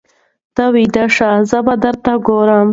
ته ویده شه زه به درته ګورم.